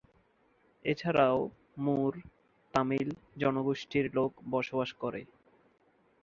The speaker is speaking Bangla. এছাড়াও, মুর, তামিল জাতিগোষ্ঠীর লোক বসবাস করে।